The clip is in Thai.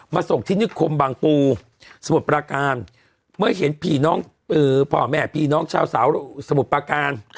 ส่งที่นิคมบางปูสมุทรปราการเมื่อเห็นผีพ่อแม่พี่น้องชาวสาวสมุทรประการ